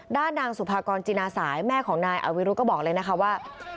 ด้านนางสุภากรจินาสายแม่ของนายอวิรุธก็บอกเลยนะคะว่า